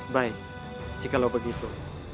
baik jika lo begitu